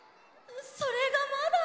それがまだ。